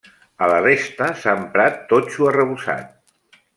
A la resta s'ha emprat totxo arrebossat.